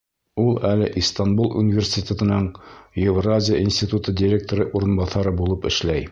Ул әле Истанбул университетының Евразия институты директоры урынбаҫары булып эшләй.